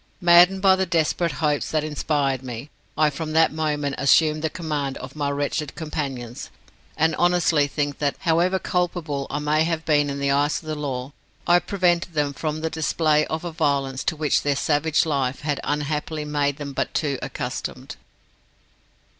Maddened by the desperate hopes that inspired me, I from that moment assumed the command of my wretched companions; and honestly think that, however culpable I may have been in the eyes of the law, I prevented them from the display of a violence to which their savage life had unhappily made them but too accustomed."